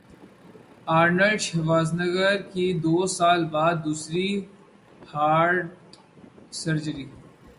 Arnold Schwarzenegger کی دو سال بعد دوسری ہارٹ سرجری